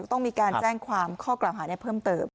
ต้องมีการแจ้งข้อกล่าวหาเนี่ยเพิ่มเติม